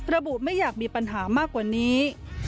ไม่อยากมีปัญหามากกว่านี้